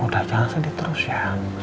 udah jangan sedih terus ya